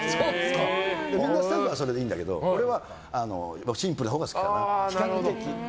みんな、スタッフはそれでいいんだけど俺はシンプルなほうが好きかな比較的。